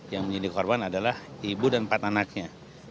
yang menjadi korban adalah ibu dan empat anaknya